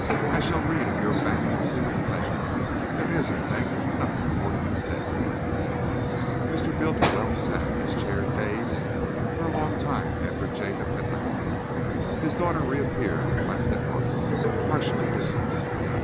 I shall read of your bankruptcy with pleasure. There is, I think, nothing more to be said." Mr. Bultiwell sat in his chair, dazed, for long after Jacob had left him. His daughter reappeared and left at once, harshly dismissed.